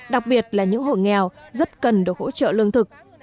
đặc biệt là những hộ nghèo rất cần được hỗ trợ lương thực